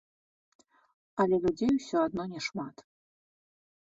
Але людзей усё адно не шмат.